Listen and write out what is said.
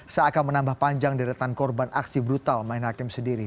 seakan menambah panjang deretan korban aksi brutal main hakim sendiri